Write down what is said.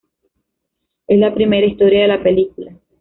Es la primera historia de la película.